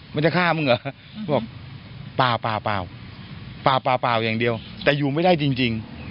มันจะฆ่ามึงเหรอบอกเปล่าอย่างเดียวแต่อยู่ไม่ได้จริง